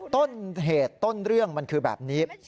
ต้นเหตุต้นเรื่องมันคือแบบนี้